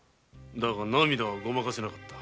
だが涙はごまかせなかった。